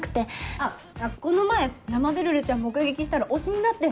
あっこの前生べるるちゃん目撃したら推しになって。